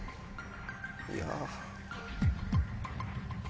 いや。